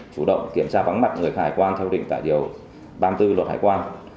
chủ động kiểm tra vắng mặt người hải quan theo định tại điều ba mươi bốn luật hải quan